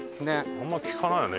あんま聞かないよね